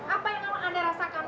apa yang anda rasakan